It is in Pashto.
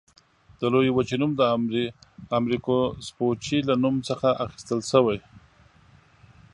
دې لویې وچې نوم د امریکو سپوچي له نوم څخه اخیستل شوی.